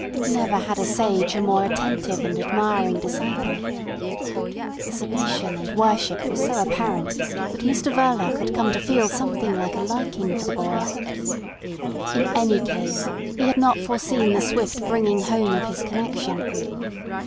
Never had a sage a more attentive and admiring disciple. The submission and worship were so apparent that Mr Verloc had come to feel something like a liking for the boy. In any case, he had not foreseen the swift bringing home of his connection.